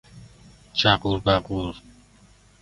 جغور بغور